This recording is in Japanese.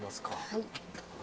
はい。